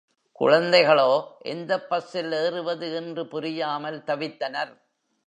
குழந்தைகளோ எந்தப் பஸ்ஸில் ஏறுவது என்று புரியாமல் தவித்தனர்.